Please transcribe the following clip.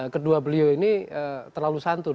kedua beliau ini terlalu santun